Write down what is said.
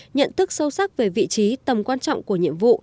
nhận thức sâu sắc về vị trí tầm quan trọng của nhiệm vụ